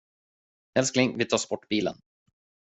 Älskling, vi tar sportbilen.